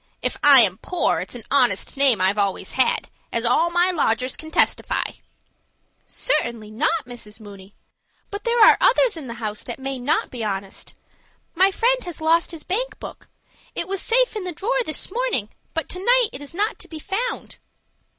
If I am poor, it's an honest name I've always had, as all my lodgers can testify." "Certainly not, Mrs. Mooney; but there are others in the house that may not be honest. My friend has lost his bank book. It was safe in the drawer this morning, but to night it is not to be found."